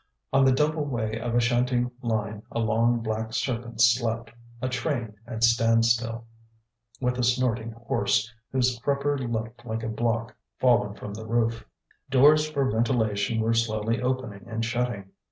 On the double way of a shunting line a long, black serpent slept, a train at standstill, with a snorting horse, whose crupper looked like a block fallen from the roof. Doors for ventilation were slowly opening and shutting.